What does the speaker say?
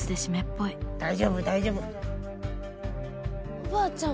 おばあちゃん！